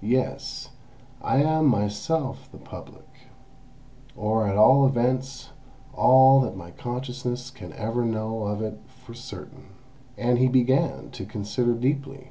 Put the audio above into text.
Yes, I am myself the Public; or at all events all that my consciousness can ever know of it for certain." And he began to consider deeply.